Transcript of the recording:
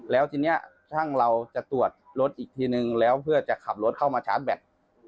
แล้วทีนี้ช่างเราจะตรวจรถอีกทีนึงแล้วเพื่อจะขับรถเข้ามาชาร์จแบต